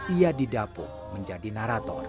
ia didapuk menjadi narator